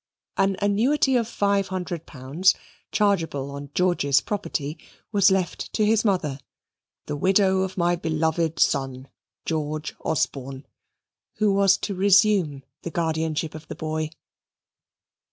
An annuity of five hundred pounds, chargeable on George's property, was left to his mother, "the widow of my beloved son, George Osborne," who was to resume the guardianship of the boy.